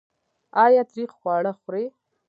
ایا تریخ خواړه خورئ؟